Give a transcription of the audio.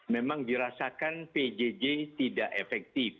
memang dirasakan pjj tidak efektif